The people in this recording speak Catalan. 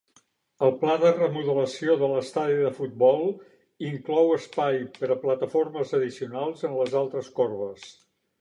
El pla de remodelació de l'estadi de futbol inclou espai per a plataformes addicionals en les altres corbes.